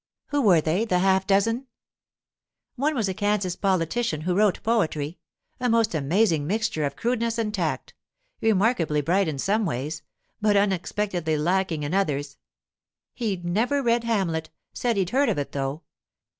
'Who were they—the half dozen?' 'One was a Kansas politician who wrote poetry. A most amazing mixture of crudeness and tact—remarkably bright in some ways, but unexpectedly lacking in others. He'd never read Hamlet; said he'd heard of it, though.